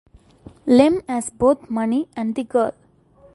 Lem has both money and the girl.